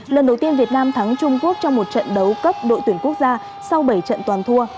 lần đầu tiên việt nam thắng trung quốc trong một trận đấu cấp đội tuyển quốc gia sau bảy trận toàn thua